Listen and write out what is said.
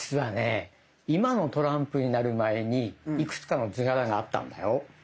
今のトランプになる前にいくつかの図柄があったんだよ。